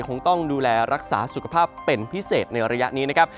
คงต้องดูแลรักษาสุขภาพเป็นพิเศษในระยะนี้นะครับ